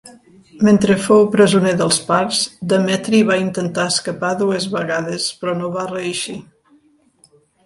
Mentre fou presoner dels parts Demetri va intentar escapar dues vegades però no va reeixir.